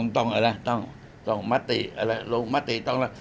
ต้องอะไรต้องมติอะไรลงมติต้องอะไร